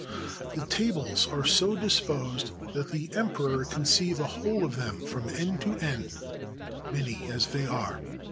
The tables are so disposed that the emperor can see the whole of them from end to end, many as they are.